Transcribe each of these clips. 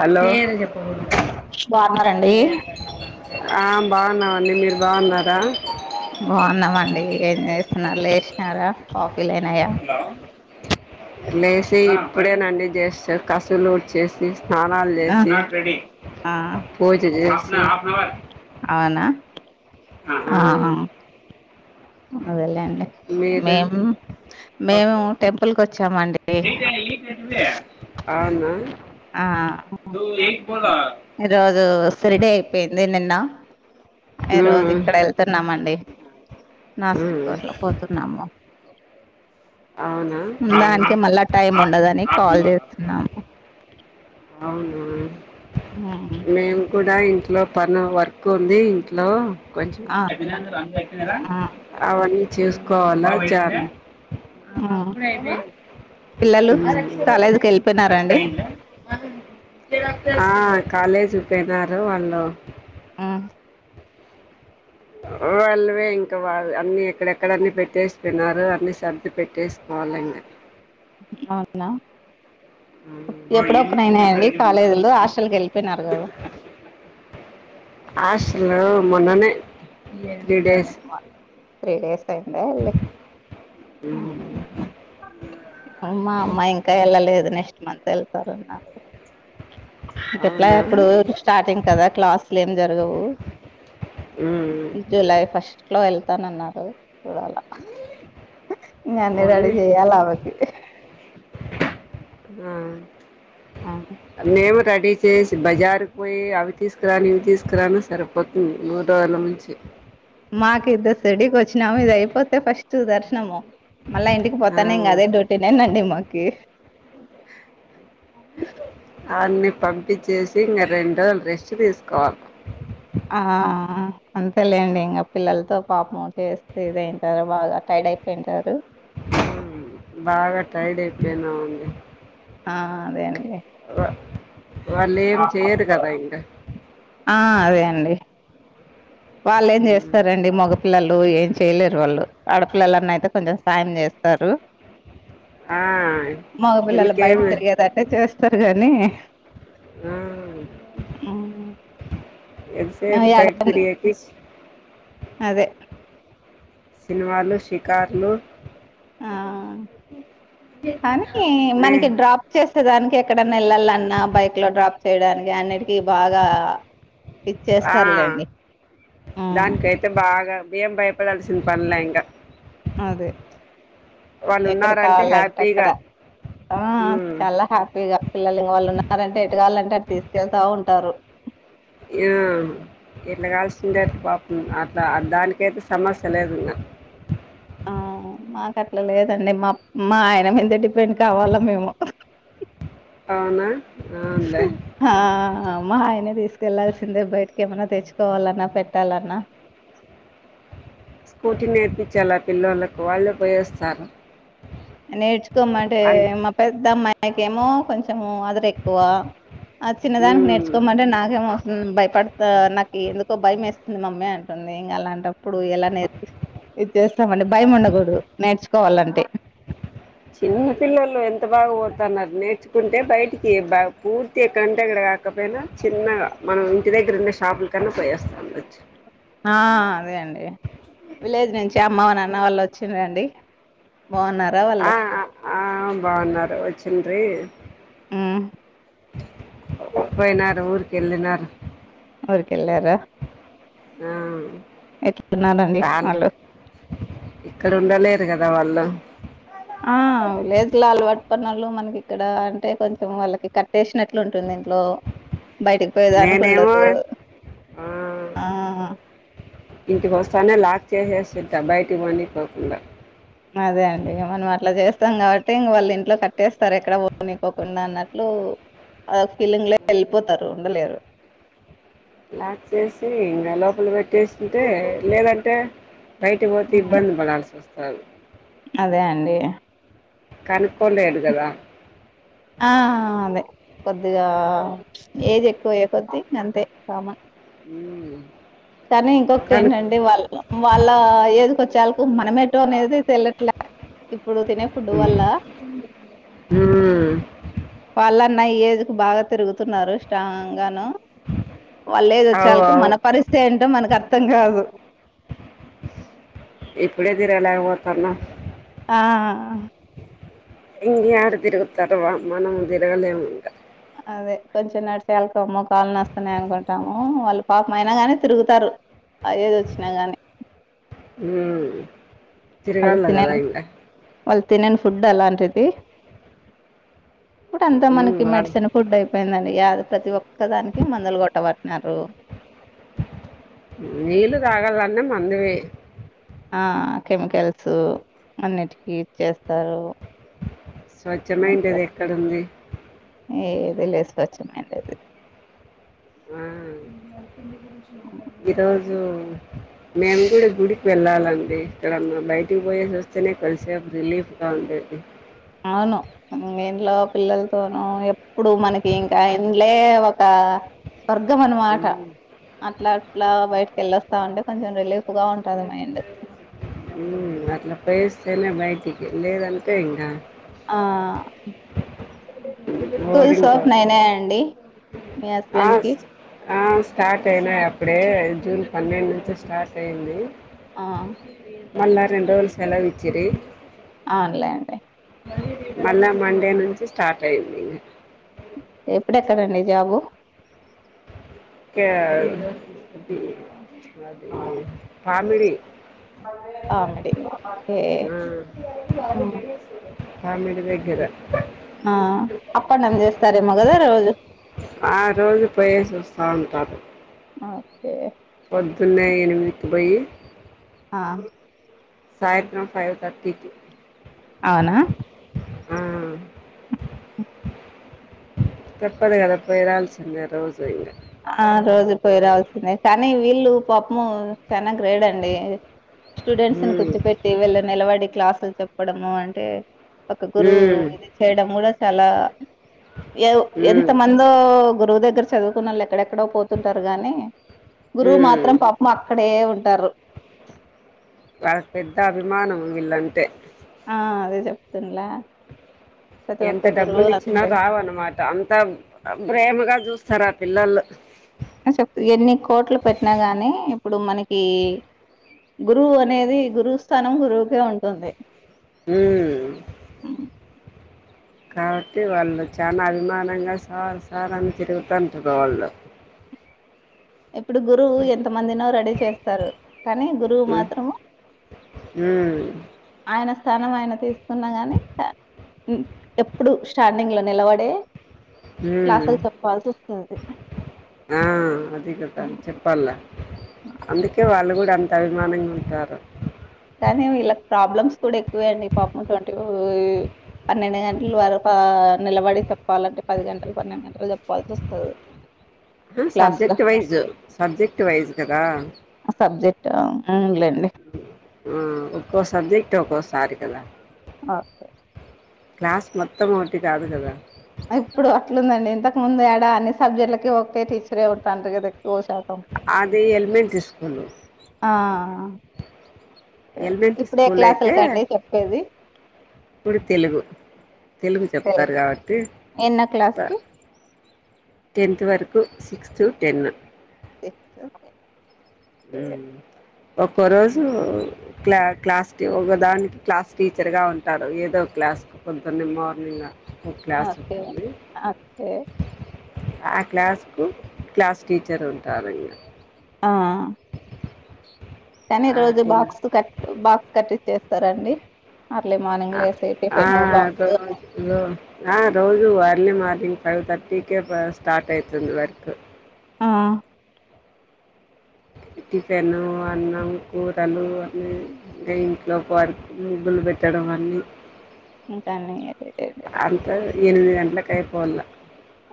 Hello బాగున్నారండి ఆ బాగున్నామండి మీరు బాగున్నారా బాగున్నామండి ఏం చేస్తున్నారు లేసినారా కాఫ్ లేశి ఇప్పుడేనండి జస్ట్ కసులూడ్చేసి స్నానాలు ఆ చేసి ఆ పూజ చేసి అవునా ఆ అదెలేండి మీరు మేం మేము టెంపుల్కి వచ్చామండి ఆ అవునా ఈరోజు సిరీడీ అయిపోయింది నిన్న ఈరోజు ఉమ్ ఇక్కడ వెళ్తున్నామండి ఉమ్ [unintelligible] పోతున్నాము అవునా దానికి మళ్ళా టైం ఉండదని కాల్ చేస్తున్నాము అవును ఉ దా ఇంట్లో పని వర్క్ ఉంది ఇంట్లో కొంచం ఆ వెళ్ళండి ఆ అవన్నీ చూసుకోవాలా [unintelligible] ఆ అవప్పుడే అయిపోయినయి పిల్లలు కాలేజీకి ఉ ఫస్ట్ వెళ్ళిపోయినారండి అయిందా ఆ కాలేజీ పోయినారు వాళ్ళు ఆ వాళ్ళువే ఇంకా వాళ్ళు అన్ని ఎక్కడెక్కడన్ని పెట్టేసిపోయినారు అన్ని సర్ది పెట్టేసి [unintelligible] అవునా ఎప్పుడో ఓపెన్ అయినాయండి కాలేజీలు హాస్టల్కి వెళ్ళిపోయినారు కదా హాస్టలు మొన్ననే త్రీ డేస్ త్రీ డేస్ అయిందా వెళ్ళి ఉ మా అమ్మాయి ఇంకా వెళ్ళలేదు నెక్స్ట్ మంత్ వెళ్తారు అన్నారు ఎట్లాగో అవునా ఇప్పుడు స్టార్టింగ్ కదా క్లాసులు ఏం జరగవు ఉ జూలై ఫస్ట్ లో వెళ్తానన్నారు చూడాలా ఇంగ అన్ని రెడీ పోనీ చేయాలా ఆమెకి ఆ మేము రెడీ చేసి బజారుకి పోయి అవి తీసుకురాను ఇవి తీసుకురాను సరిపోతుంది మూడు రోజుల నుంచి మాకు ఇద్దరు సడీకి వచ్చినాము ఇది అయిపోతే ఫస్ట్ దర్శనము మళ్ళా ఇంటికి ఆ పోతాను ఇంకా అదే డ్యూటీనే అండి మాకి అవన్ని పంపించేసి ఇంకా రెండు రోజులు రెస్ట్ తీసుకోవాలి ఆ అంతేలేండి ఇంకా పిల్లలతో పాపం చేస్తే ఇదయ్యుంటారు బాగా టైర్డ్ అయిపోయి ఉంటారు బాగా టైర్డ్ అయిపోయినాముండి ఆ అదే అండి వాళ్లేం చెయరు కదా ఇంకా ఆ వాళ్లేం చేస్తరండి మగపిల్లలు ఏం చేయలేరు వాళ్ళు ఆడపిల్లలన్న అయితే కొంచెం సాయం చేస్తారు ఆ మగపిల్లలు బయట వీళ్ళకేమి తిరిగేది అంటే చేస్తారు గానీ ఆ ఎంతసేపు బయట తిరిగేకి ఉమ్ అదే సినిమాలు షికార్లు ఆ కానీ మే మనకి డ్రాప్ చేసేదానికి ఎక్కడన్నా వెళ్ళాల అన్నా బైక్ లో డ్రాప్ చేయడానికి అన్నిటి బాగా ఆ ఇచ్చేస్తారులేండి ఉ దానికైతే బాగా ఏం భయపడాల్సింది పన్లే ఇక అదే ఎక్కడ ఉన్నారంటే కావాలంటే అక్కడ హ్యాపీగా ఆ ఉమ్, చాలా హ్యాపీగా పిల్లలు ఇం వాళ్ళు ఉన్నారంటే ఎటుగావళంటే అటు తీసుకెళ్తా ఉంటారు ఆ ఎట్లా కాల్సిందే పాపం దానికైతే సమస్య లేదుంద ఆ మాకు అట్లా లేదండి మా మా ఆయన మీద పెని కావాలా మేము అవునా అవునులే ఆ మా ఆయనే తీసుకెళ్లాల్సిందే బయట ఏమన్నా తెచ్చుకోవాలన్నా పెట్టాలన్నా స్కూటీ నేర్పించాలా పిల్లలకు వాళ్ళ నేర్చుకోమంటే అని మా పెద్ద అమ్మాయికేమో కొంచెం అదరు ఎక్కువ చిన్నదానికి ఉమ్, నేర్చుకోమంటే నాకేమోస్త భయపడుతు నాకు ఎందుకో భయం వేస్తుంది మమ్మీ అంటుంది ఇంకా అలాంటప్పుడు ఎలా నేర్ ఇది చేస్తామండి భయం ఉండకూడదు నేర్చుకోవాలంటే చిన్న పిల్లలు ఎంత బాగా ఊడుతున్నారు నేర్చుకుంటే బయటికి బా పూర్తి కంటడగడ కాకపోయినా చిన్నగా మనం ఇంటి దగ్గర ఉన్న షాపుల కన్నా పోయేస్తా ఉండొచ్చు ఆ అదే అండి విలేజ్ నుంచి అమ్మవ నాన్న వాళ్ళు వచ్చిందిండి బావున్నారా వాళ్ళు ఆ, ఆ బాగున్నారు వచ్చిండీ ఆ పోయినారు ఊరికి వెళ్ళినారు అ ఊర్కెళార ఆ రాన్ వాళ్ళు ఇక్కడ ఉండలేరు కదా వాళ్ళు ఆ విలేజ్లా అల్వాటు పన్నొలు మనకి ఇక్కడ అంటే కొంచెం వాళ్ళకి కట్టేసినట్లు ఉంటుంది దీంట్లో బయటకి పోయేదానికి నేనేమో ఉండదు ఆ ఆ ఇంటికి వస్తానే లాక్ చేసేస్తు బయటి పోని పోకుండా అదే అండి మనం అట్లా చేస్తాం కాబట్టి ఇం వాళ్ళు ఇంట్లో కట్టేస్తారు ఎక్కడ ని పోకుండా అన్నట్లు ఆ ఫీలింగ్ లో వెళ్ళిపోతారు ఉండలేరు లాక్ చేసి ఇంకా లోపల పెట్టేస్తుంటే లేదంటే బయటికి పోతే ఉమ్, ఇబ్బంది పడాల్సి వస్తది అదే అండి కనుకోలేరు కదా ఆ అదే కొద్దిగా ఏజ్ ఎక్కువయ్య కొద్దిీ అంతే కామన్ మ్మ్ కానీ ఇంకొకటి కను ఏంటండి వాళ్ళ వాళ్ళ ఏజ్ కొచ్చా మనం ఎటుో అనేది తెల్లట్లే ఇప్పుడు తినే ఫుడ్ వల్ల మ్మ్ నా ఏజ్ కు బాగా తిరుగుతున్నారు స్ట్రాంగ్ ను వాళ్ళలేజ్ అవు వచ్చేకు అవు మన పరిస్థితి ఏంటో మనకు అర్ధం అర్థంగాదు ఇప్పుడే తిరగ లేకపోతన్నా ఆ హా ఆ ఇంగ యాడ తిరుగుతారు వామ్మో మనం తిరుగలేము ఇంక. అదే కొంచెం నడిచే వెళ్తాము. కాళ్ళు నొస్తున్నాయ్ అనుకుంటాము వాళ్ళు పాపం అయినా గానే తిరుగుతారు. అ ఏజ్ వచ్చినా గానీ ఉ వాళ్ళు తిరుగాలనా కదా తినను ఇంక వాళ్ళు తినని ఫుడ్ అలాంటిది ఇప్పుడు అంతా మ్మ్ మనకి వాళ్ళు మెడిసిన్ ఫుడ్ అయి పోయిందండి యార్ ప్రతి ఒక్క దానికి మందులు గొట్ట పట్టినారు. నీళ్లు తాగాలన్నా మందువే ఆ కెమికల్స్ అన్నిటికీ ఇచ్చేస్తారు. స్వచ్ఛమైండేది ఎక్కడుంది? ఏదీలేదు స్వచ్ఛమైనది. ఆ ఈరోజు మేము కూడా గుడికి వెళ్ళాలండి ఇక్కడ బయటికి పోయేసి వస్తేనే కొద్ధి సేపు రిలీఫ్ గ అదే [inaudible] అవును ఇంట్లో పిల్లలతోనుూ ఎప్పుడు మనకి ఇంకా ఇండ్లే ఒక స్వర్గం అన్నమాట అట్లా అట్లా బయటక వెళ్ళొస్తా ఉంటే కొంచెం రిలీఫ్ గా ఉంటది మైండ్ మ్ అట్లా పోయేసి వెళ్ళినా బయటికి లేదంటే ఇంకా ఆ స్కూల్స్ బోరింగ్ ఓపెన్ అయినాయ అండి మీ హస్బెండ్ కి స్టార్ట్ అయినాయి అప్పుడే జూన్ పన్నెండు నుంచి స్టార్ట్ అయింది. ఆ మళ్ళా రెండు రోజులు సెలవు విచ్చిరి. పొనిలెండి మళ్ళా మండే నుంచి స్టార్ట్ అయింది. ఇపుడు ఎక్కడ అండి జాబు. అది పామిడి. కామెడీ ఓకే ఆ హ్మ్. పామిడి దగ్గర ఆ అప్ అండ్ డౌన్ చేస్తారు ఏమో కదా రోజు ఆ రోజు పోయేసి వస్తా ఉంటారు. ఓకే పొద్దున్నే ఎనిమిదికి పోయి ఆ సాయత్ర్రం ఫైవ్ తర్టీకి అవునా [inaudible] తప్పదు కదా పోయిరావాల్సిందే రోజు ఇక ఆ రోజు పోయి రాల్సిందే కానీ వీళ్ళు పాపము చాలా గ్రేట్ అండి స్టూడెంట్స్ ని ఉమ్ కూర్చుపెట్టి వీళ్ళు నిలబడి క్లాసులు చెప్పడం చెప్పడము అంటే, ఒక గురువు ఉమ్ ఇది చేయడం కూడా చాలా ఎంత ఉమ్ మందో గురువు దగ్గర చదువుకున్న వాళ్ళు ఎక్కడెక్కడో పోతుంటారు గాని గురువు ఉమ్ మాత్రం పాపం అక్కడే ఉంటారు. వాళ్ళకి పెద్ద అభిమానం వీళ్ళంటే. ఆ అదే చెప్తున్లా. ఎంత డబ్బులు ఇచ్చినా రావు అన్నమాట, అంతమ్ ప్రేమగా చూస్తారు ఆ పిల్లలు. చెప్ ఎన్ని కోట్లు పెట్టినా గాని ఇప్పుడు మనకి, గురువు అనేది గురువు స్థానం గురువుకే ఉంటుంది. ఉమ్మ్ కాబట్టి వాళ్ళు చాలా అభిమానంగా సార్, సార్ అని తిరుగుతుంటారు వాళ్ళు. ఇప్పుడు గురువు ఎంత మందినో రెడీ చేస్తారు, కానీ గురువు మాత్రము ఉమ్మ్ తనువు ఆయన తీసుకున్నా గాని, [inaudible] ఎప్పుడు స్టార్డింగ్ లో నిలబడే ఉమ్మ్ క్లాసులు చెప్పాల్సి వస్తుంది ఆ [inaudible] చెప్పాల అందుకే వాళ్ళు గుడా అంత అభిమానంగా ఉంటారు. కానీ వీళ్లకి ప్రాబ్లమ్స్ కూడా ఎక్కువే అండి, పాపం ట్వంటీ పన్నెండు గంటల వరకు నిలబడి చెప్పాలంటే పది గంటలు, పన్నెండు గంటలు చెప్పాల్సి వస్తది. ఇప్పుడు సబ్జెక్ట్ వైజ్, సబ్జెక్ట్ వైజ్ గదా. టా అవున్లేండి. ఉమ్మ్ ఆ ఒక్కో సబ్జెక్ట్, ఒక్కోసారి కదా. ఓకే. క్లాస్ మొత్తం ఒకటి కాదు గదా. ఇప్పుడు అట్లుందండి. ఇంతకు ముందు ఎడా అన్ని సబ్జెక్టులకి ఒకే టీచరే ఉంటాన్రు గదా. అది ఎలిమెంటరీ స్కూలు ఆ ఎలిమెంటరీ ఇప్పుడే స్కూల్ క్లాసుల అయితే కండి చెప్పేది. ఇప్పుడు తెలుగు. తెలుగు చెప్తారు కాబట్టి, ఎన్నో త క్లాస్కి టెన్త్ వరకు సిక్స్త్, టెన్. సిక్స్త్, టెన్ ఒక్కోరోజు క్లా, క్లాస్ కి ఒకదానికి క్లాస్ టీచర్గా ఉంటాడు. ఏదో ఒక క్లాస్ కి పొద్దున్నే మార్నింగా. ఒక క్లాస్ ఓకే ఉంటుంది. ఓకే ఆ క్లాస్ కు, క్లాస్ టీచర్ ఉంటారాయన. ఆ కానీ ఆ రోజు టెన్ బాక్స్ కు కట్, బాక్స్ కట్టి ఇచ్చేస్తారండి. ఆ ఆ రోజు లో, ఆ రోజు అర్లీ మార్నింగ్. ఫైవ్ థర్టీకే, వా స్టార్ట్ అయితుంది వర్క్. ఆ టిఫెను, అన్నం, కూరలు అన్నీ ఇగ ఇంట్లో వర్క్, ముగ్గులు పెట్టడం. వన్నీ ఇంకా అన్నీ ఇగ [unintelligible] ఎనిమిది గంటలకు అయిపోవాల్ల.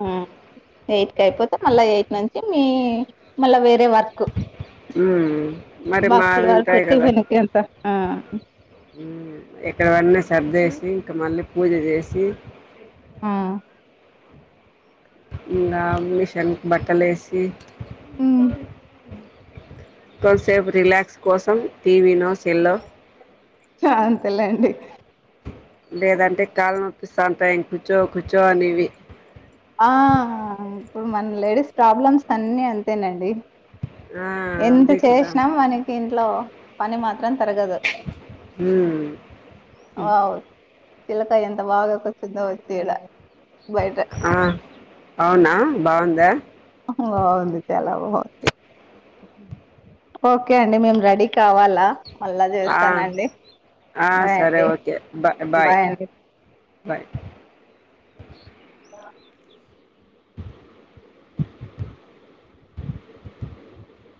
ఆ ఎయిట్ కి అయిపోతే, మళ్ళా ఎయిట్ నుంచి మీ మళ్ళా వేరే వర్క్ కు, ఉమ్, మరి బాక్స్ లా మావి వర్క్, ఉంటాయి కదా టిఫిన్ కి అంత ఆ ఉమ్, ఇక్కడ వన్నీ సర్దేసి, ఇంకా మళ్ళీ పూజ జేసి ఆ ఇంగ, మిషన్ బట్టలేసి మ్ కొన్సేపు రిలాక్స్ కోసం టీవీ నో సెల్లో అంతలే అండి లేదంటే కాళ్ళ నొప్పిస్టాట్ ఆఇంది కూర్చో కూర్చో అనేవి ఆ ఇప్పుడు మన లేడీస్ ప్రాబ్లమ్స్ అన్ని అంతేనండి ఆ, ఎంత అదే కదా చేసినా మనకి ఇంట్లో పని మాత్ త్రం తరగదు ఉమ్, అవు శ్రీలత ఎంత బాగా కూర్చుందో టిల బయట ఆ, అవునా బాగుందా బాగుంది చాల బాగుంది ఓకే అండి మేము రెడీ కావాలా మళ్ళా ఆ, చేస్తానండి ఆ బాయ్ సరే అండి ఓకే బ బాయ్ బయ్ అ